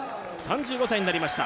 ３５歳になりました